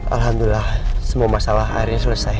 alhamdulillah semua masalah akhirnya selesai